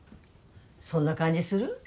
そんな感じする？